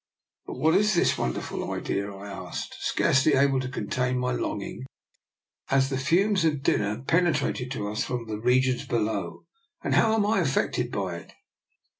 " But what is this wonderful idea? " I asked, scarcely able to contain my longing, as the fumes of dinner penetrated to us from DR. NIKOLA'S EXPERIMENT. 41 the regions below. " And how am I affected by it?